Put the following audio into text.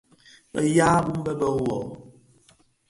Bèè yaà dig bì di bum bê rì wôô.